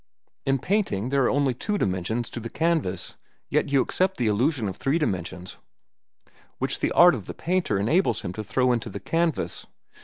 "In painting there are only two dimensions to the canvas, yet you accept the illusion of three dimensions which the art of a painter enables him to throw into the canvas.